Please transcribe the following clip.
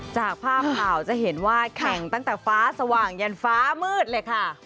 จากภาพข่าวจะเห็นว่าแข่งตั้งแต่ฟ้าสว่างยันฟ้ามืดเลยค่ะ